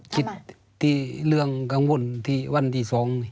คิดเรื่องกังวลวันที่๒